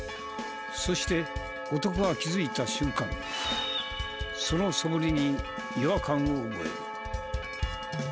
そして男が気づいた瞬間そのそぶりに違和感を覚える。